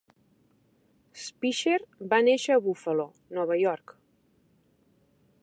Speicher va néixer a Buffalo, Nova York.